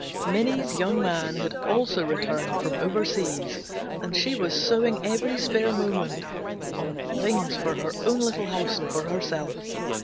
Minnie's young man had also returned from overseas and she was sewing every spare moment on things for her own little house and for herself.